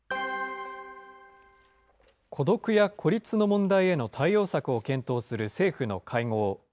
孤独や孤立の問題への対応策を検討する政府の会合。